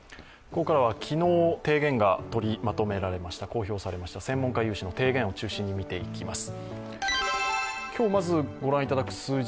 ここからは昨日提言が取りまとめられました、公表されました専門家有志の提言を中心に見ていきます。